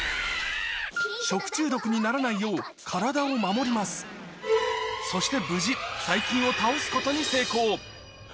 食中毒にならないよう体を守りますそして無事ことに成功